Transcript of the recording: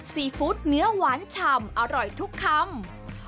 ซีฟู้ดเนื้อหวานฉ่ำอร่อยทุกคำ